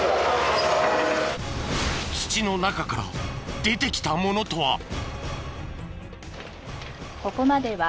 土の中から出てきたものとは。